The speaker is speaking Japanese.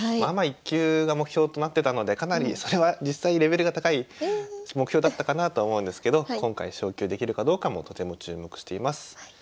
アマ１級が目標となってたのでかなりそれは実際レベルが高い目標だったかなと思うんですけど今回昇級できるかどうかもとても注目しています。